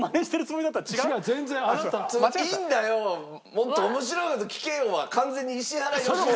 もっと面白い事聞けよ！」は完全に石原良純。